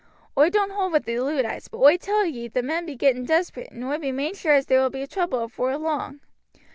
Oi don't hold with the Luddites, but oi tell ye the men be getting desperate, and oi be main sure as there will be trouble afore long.